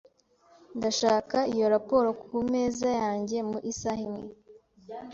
Ndashaka iyo raporo kumeza yanjye mu isaha imwe .